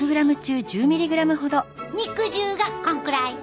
肉汁がこんくらい。